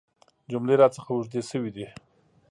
جملې راڅخه اوږدې شوي دي .